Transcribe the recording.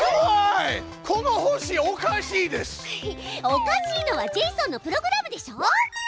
おかしいのはジェイソンのプログラムでしょ。